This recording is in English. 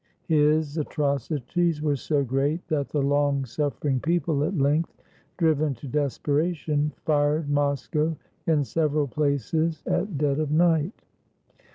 His atrocities were so great that the long suffering people at length, driven to desperation, fired Moscow in several places at dead of night.